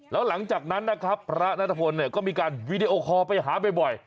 แล้วหลังจากนั้นนะครับพระนัทพลเนี่ยก็มีการวีดีโอคอลไปหาบ่อย